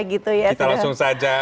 gitu ya kita langsung saja